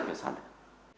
tương quan lực